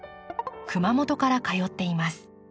熊本から通っています。